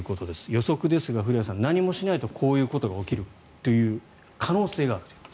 予測ですが、古屋さん何もしないとこういうことが起きる可能性があるという。